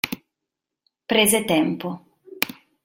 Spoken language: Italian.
Prese tempo.